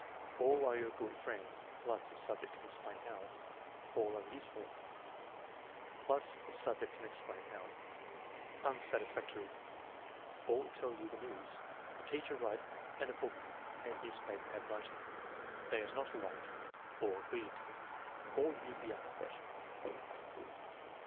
"All are your good friends " (plus if subject can explain how). "All are useful" (plus if subject can explain how). Unsatisfactory. "All tell you the news." "A teacher writes, and a book and newspaper have writing." "They are not alike." "All read." "All use the alphabet."